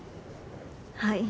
はい。